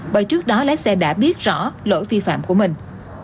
bởi trước đó lái xe đã biết rõ lỗi vi phạm của mình